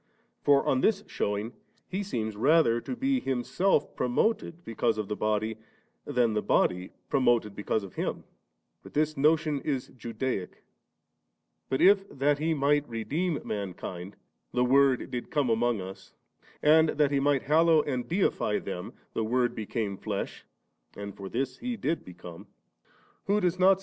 For on this shew ing He seems rather to be Himself promoted because of the body*, than the body promoted because of HinL But this notion is Judaic But if that He might redeem mankind', the Word did come among us ; and that He might hallow and deify them, the Word became flesh (and for this He did become), who does not s ImM 51.